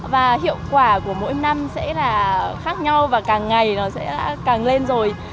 và hiệu quả của mỗi năm sẽ là khác nhau và càng ngày nó sẽ càng lên rồi